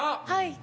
はい。